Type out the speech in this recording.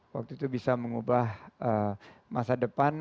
waktu itu bisa mengubah masa depan